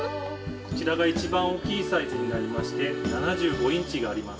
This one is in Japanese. こちらが一番大きいサイズになりまして７５インチがあります。